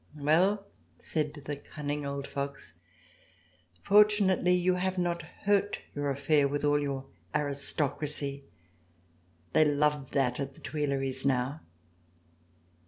"Well," said the cunning old fox, "fortunately you have not hurt your affair with all your aristocracy. They love that at the Tuileries now."